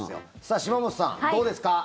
島本さん、どうですか？